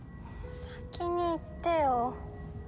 先に言ってよ。